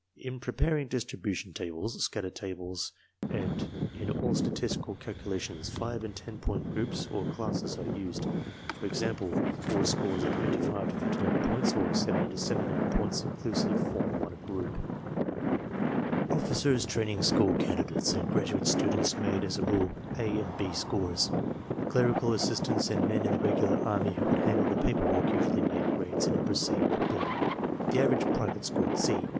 In preparing distribution tables, scatter tables, and in all statistical calcu lations 5 and 10 point groups or classes are used. For example, all scores of 55 to 59 points (or 70 to 79 points) inclusive form one group. Officers' training school candidates and graduate students made as a rule A and B scores. Clerical assistants and men in the Regular Army who could handle the paper work usually made grades in upper C or B. The average private scored C.